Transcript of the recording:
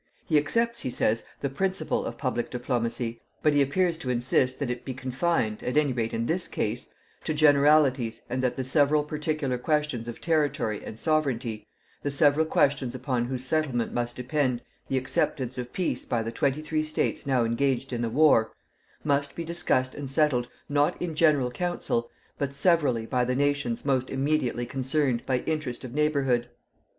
He accepts, he says, the principle of public diplomacy, but he appears to insist that it be confined at any rate in this case, to generalities and that the several particular questions of territory and sovereignty, the several questions upon whose settlement must depend the acceptance of peace by the twenty three states now engaged in the war, must be discussed and settled, not in general council but severally by the nations most immediately concerned by interest of neighbourhood.